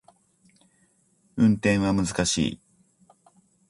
運転は難しい